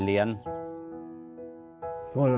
และให้ลูกได้เรียน